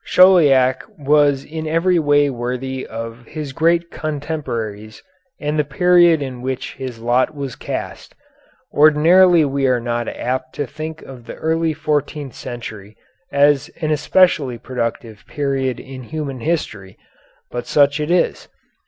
Chauliac was in every way worthy of his great contemporaries and the period in which his lot was cast. Ordinarily we are not apt to think of the early fourteenth century as an especially productive period in human history, but such it is.